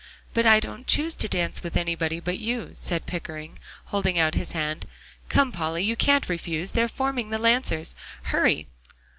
"But I don't choose to dance with anybody but you," said Pickering, holding out his hand. "Come, Polly, you can't refuse; they're forming the Lancers. Hurry!"